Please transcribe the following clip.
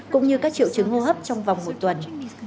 cũng như các triệu chứng hô hấp trong vòng một tuần